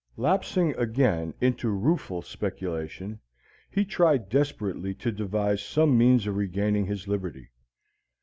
Lapsing again into rueful speculation, he tried desperately to devise some means of regaining his liberty.